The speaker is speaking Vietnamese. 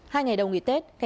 hai ngày đầu nghị tết